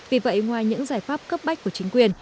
vì vậy ngoài những giải pháp cấp bách của chính quyền